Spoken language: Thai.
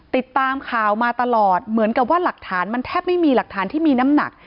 ติดตามข่าวมาตลอดเหมือนกับว่าหลักฐานมันแทบไม่มีหลักฐานที่มีน้ำหนัก